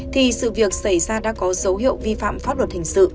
thì sự việc xảy ra đã có dấu hiệu vi phạm pháp luật hình sự